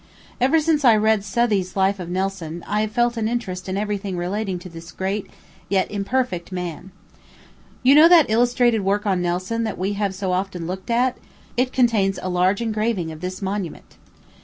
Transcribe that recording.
Ever since I read Southey's Life of Nelson, I have felt an interest in every thing relating to this great; yet imperfect man. You know that illustrated work on Nelson that we have so often looked at it contains a large engraving of this monument.